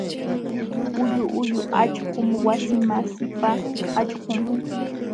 Huyu huyu allqum wasimasiipa allqun.